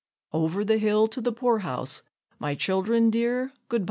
Over the hill to the poor house my child'rn dear, good by!